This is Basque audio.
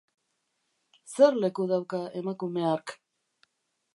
Zer leku dauka emakume hark?